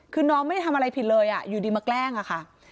คือน้องไม่ได้ทำอะไรผิดเลยอยู่ดีมาแกล้งอะค่ะ